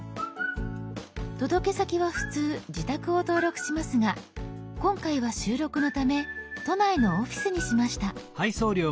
届け先は普通自宅を登録しますが今回は収録のため都内のオフィスにしました。